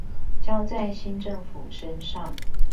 交在新政府身上